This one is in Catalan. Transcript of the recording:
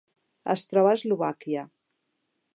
Es troba a Eslovàquia.